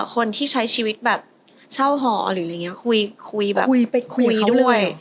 คนที่ใช้ชีวิตแบบเช่าหอหรืออะไรอย่างนี้คุยคุยแบบคุยไปคุยด้วย